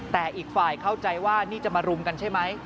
แต่อีกฝ่ายเข้าใจว่านี่จะมารุมกันใช่ไหม